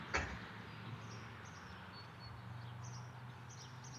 د چرګانو هګۍ د پروټین یوه ښه منبع ده.